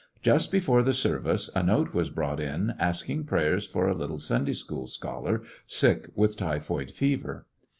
Just before the service a note was brought in asking prayers for a little Sunday school scholar sick with typhoid fever.